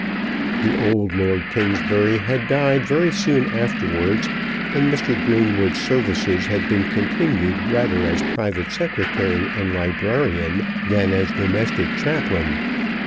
The old Lord Kingsbury had died very soon afterwards, and Mr. Greenwood's services had been continued rather as private secretary and librarian than as domestic chaplain.